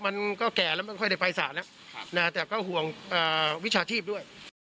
มันก็แก่แล้วไม่ค่อยได้ไปสารแล้วแต่ก็ห่วงวิชาชีพด้วย